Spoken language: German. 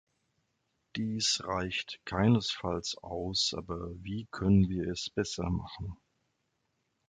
Dies reicht keinesfalls aus, aber wie können wir es besser machen?